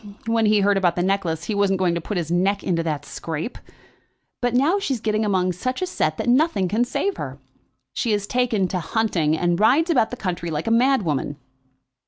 When he heard about the necklace he wasn't going to put his neck into that scrape. But now she's getting among such a set that nothing can save her. She has taken to hunting, and rides about the country like a madwoman."